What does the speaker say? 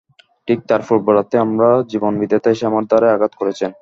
ঠিক তার পূর্বরাত্রেই আমার জীবনবিধাতা এসে আমার দ্বারে আঘাত করেছেন।